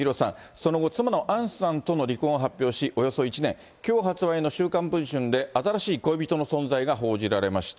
その後、妻の杏さんとの離婚を発表し、およそ１年、きょう発売の週刊文春で新しい恋人の存在が報じられました。